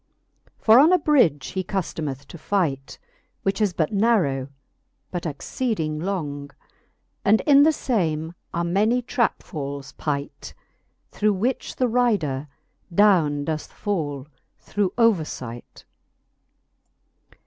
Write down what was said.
For on a bridge he cuftometh to fight, Which is but narrow, but exceeding long ; And in the lame are many trap fals pight, Through which the rider downe doth fall through overfight.